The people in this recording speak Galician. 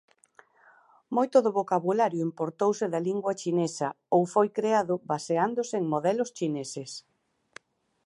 Moito do vocabulario importouse da lingua chinesa ou foi creado baseándose en modelos chineses.